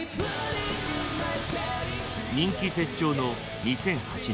人気絶頂の２００８年。